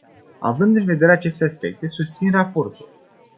Având în vedere aceste aspecte, susțin raportul.